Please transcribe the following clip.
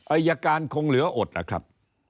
อายการคงเหลืออดล่ะครับ